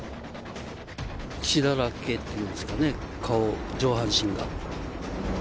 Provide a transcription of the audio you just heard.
血だらけっていうんですかね、顔、上半身が。